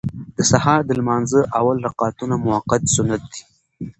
د سهار د لمانځه اول رکعتونه مؤکد سنت دي.